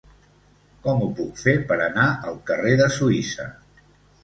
Com ho puc fer per anar al carrer de Suïssa?